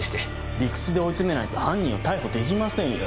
理屈で追い詰めないと犯人は逮捕できませんよ。